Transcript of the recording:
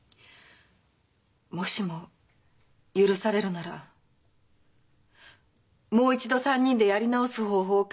もしも許されるならもう一度３人でやり直す方法を考えたいと思います。